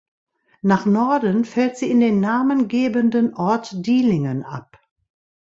Nach Norden fällt sie in den namengebenden Ort Dielingen ab.